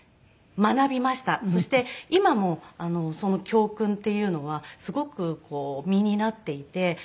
そして今もその教訓っていうのはすごく身になっていて。